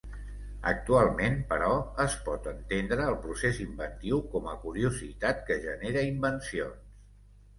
Actualment, però, es pot entendre el procés inventiu com a curiositat que genera invencions.